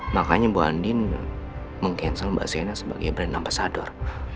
makanya bu andin meng cancel mbak sena sebagai brand ambasador